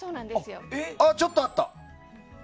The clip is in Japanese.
あ、ちょっとあった。